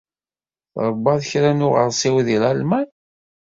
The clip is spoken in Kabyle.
Tṛebbaḍ kra n uɣersiw deg Lalman?